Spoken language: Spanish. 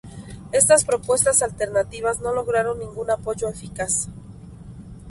Estas propuestas alternativas no lograron ningún apoyo eficaz.